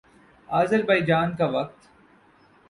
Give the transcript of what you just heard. آذربائیجان کا وقت